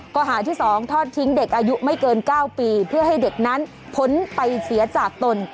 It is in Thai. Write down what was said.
ข้อหาที่๒ทอดทิ้งเด็กอายุไม่เกิน๙ปีเพื่อให้เด็กนั้นพ้นไปเสียจากตน